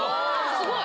すごい！